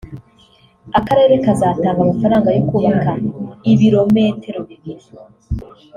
Akarere kazatanga amafaranga yo kubaka ibirometero bibiri